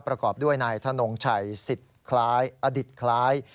ประกอบด้วยนายธนงชัยสิทธิ์คล้ายอดิษฐ์คล้าย